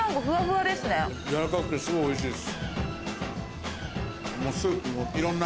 軟らかくてすごいおいしいです。